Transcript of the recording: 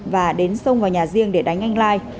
và đến xông vào nhà riêng để đánh anh lai